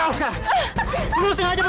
aku tahu sekarang